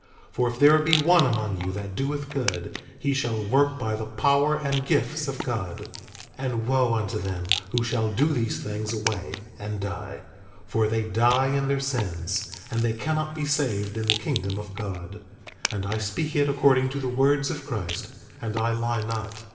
For if there be one among you that doeth good, he shall work by the power and gifts of God. 10:26 And wo unto them who shall do these things away and die, for they die in their sins, and they cannot be saved in the kingdom of God; and I speak it according to the words of Christ; and I lie not.